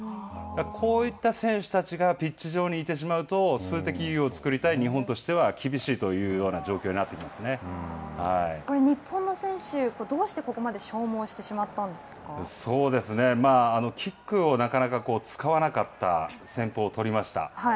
こういった選手たちがピッチ上にいてしまうと数的優位を作りたい日本としては、厳しいというような状況になってこれ、日本の選手、どうしてこキックをなかなか使わなかった戦法を取りました。